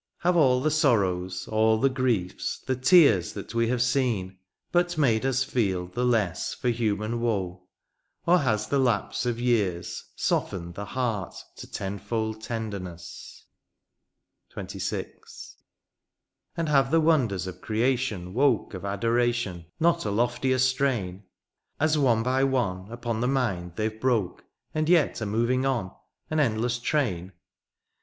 Have all the sorrows, all the griefs, the tears That we have seen, but made us feel the less For himian woe; or has the lapse of years Softened the heart to tenfold tenderness ? 128 THE PAST. XXVI. And have the wonders of creation woke Of adoration not a loftier strain^ As one by one upon the mind they've broke^ And yet are moving on^ an endless train